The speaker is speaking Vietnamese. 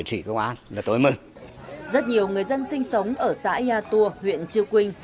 rất nhiều người dân sinh sống ở xã yatua huyện chư quynh